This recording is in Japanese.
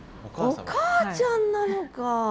お母ちゃんなのか。